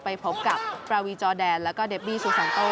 ไปพบกับปราวีจอแดนแล้วก็เดบบี้ซูซันโต้